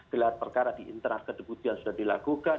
gelap perkara di internas kedebutian sudah dilakukan